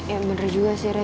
ya bener juga sih re